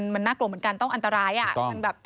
มันน่ากลัวเหมือนกันต้องอันตรายอ่ะ